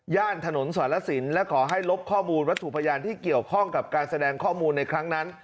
ถนนสรรสินและขอให้ลบข้อมูลวัตถุพยานที่เกี่ยวข้องกับการแสดงข้อมูลในครั้งนั้น